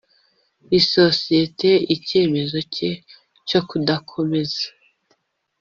Isosiyete icyemezo cye cyo kudakomeza